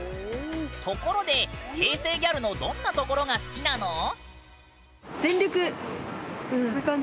ところで平成ギャルのどんなところが好きなの？